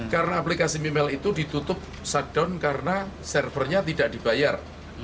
karena aplikasi memiles itu ditutup shutdown karena servernya tidak dibayar